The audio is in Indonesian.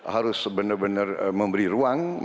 harus benar benar memberi ruang